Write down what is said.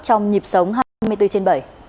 trong nhịp sống hai mươi bốn trên bảy